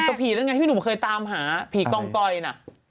คือผีอะไรอย่างงี้ที่หนุ่มเคยตามหาผีกร่องกร้อยน่ะ